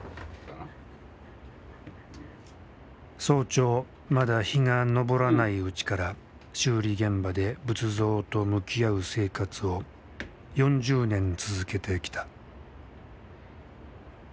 早朝まだ日が昇らないうちから修理現場で仏像と向き合う生活を４０年続けてきた。